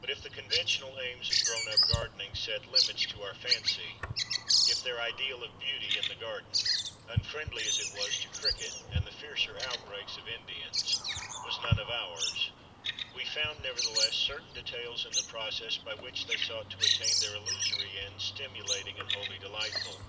But if the conventional aims of grown up gardening set limits to our fancy, if their ideal of beauty in the garden unfriendly as it was to cricket and the fiercer outbreaks of Indians was none 119 120 THE DAY BEFORE YESTERDAY of ours, we found, nevertheless, certain details in the process by which they sought to attain their illusory ends stimulating and wholly delightful.